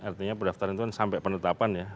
artinya pendaftaran itu kan sampai penetapan ya